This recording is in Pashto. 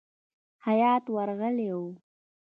هیات ورغلی وو.